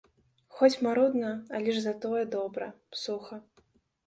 Хоць марудна, але ж за тое добра, суха.